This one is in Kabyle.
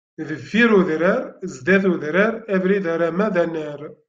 Deffir udrar, zdat udrar, abrid arama d anar.